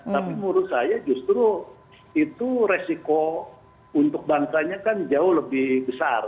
tapi menurut saya justru itu resiko untuk bangsanya kan jauh lebih besar